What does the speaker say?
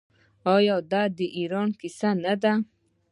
آیا دا د ایران کیسه نه ده؟